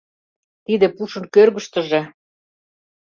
Тиде пушын кӧргыштыжӧ